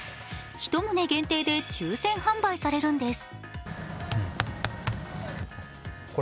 １棟限定で抽選販売されるんです。